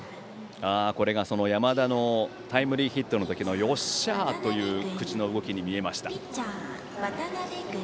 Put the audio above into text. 山田のタイムリーヒットの時のよっしゃ！という口の動きに見えました。